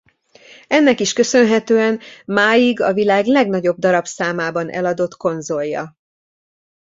Ennek is köszönhetően máig a világ legnagyobb darabszámában eladott konzolja.